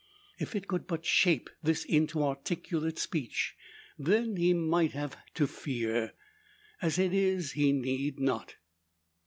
If it could but shape this into articulate speech, then he might have to fear. As it is, he need not.